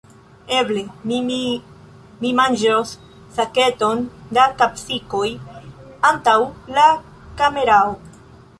Eble mi, mi... mi manĝos saketon da kapsikoj antaŭ la kamerao.